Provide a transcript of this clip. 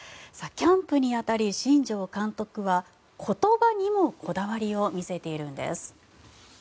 キャンプに当たり新庄監督は言葉にもこだわりを見せているんです。